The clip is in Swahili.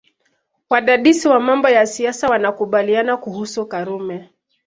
Wadadisi wa mambo ya siasa wanakubaliana kuhusu Karume